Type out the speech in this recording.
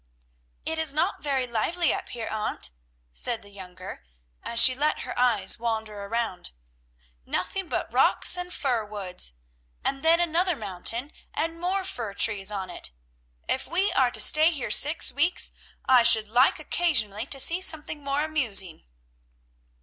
"It is not very lively up here, Aunt," said the younger, as she let her eyes wander around. "Nothing but rocks and fir woods, and then another mountain and more fir trees on it. If we are to stay here six weeks, I should like occasionally to see something more amusing."